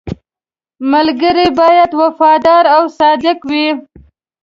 • ملګری باید وفادار او صادق وي.